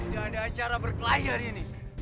tidak ada acara berkelahi hari ini